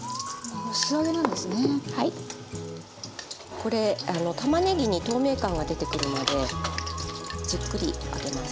これたまねぎに透明感が出てくるまでじっくり揚げます。